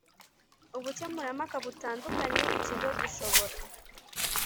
Ubukemurampaka butandukanye ikigo gishobora